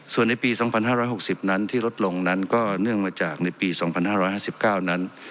ส่วนในปี๒๕๖๐นั้นที่ลดลงนั้นก็เนื่องมาจากในปี๒๕๕๙นั้น